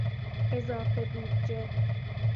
اضافه بودجه